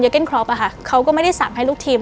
เก้นครอปอะค่ะเขาก็ไม่ได้สั่งให้ลูกทีม